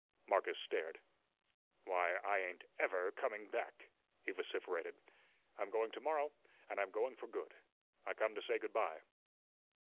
Marcus stared. "Why, I ain't EVER coming back," he vociferated. "I'm going to morrow, and I'm going for good. I come to say good by."